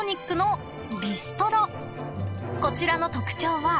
［こちらの特徴は］